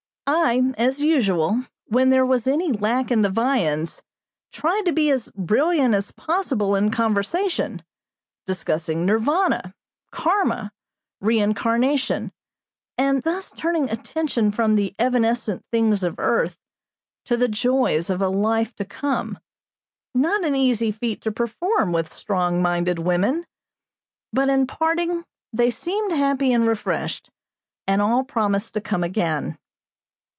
I, as usual, when there was any lack in the viands, tried to be as brilliant as possible in conversation; discussing Nirvana, Karma, reincarnation, and thus turning attention from the evanescent things of earth to the joys of a life to come, not an easy feat to perform with strong minded women, but, in parting, they seemed happy and refreshed, and all promised to come again.